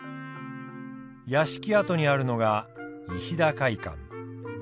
屋敷跡にあるのが石田会館。